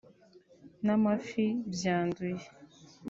n’amafi byanduye